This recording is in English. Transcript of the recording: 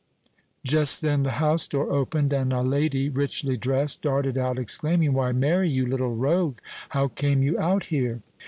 Just then the house door opened, and a lady, richly dressed, darted out, exclaiming, "Why, Mary, you little rogue, how came you out here?"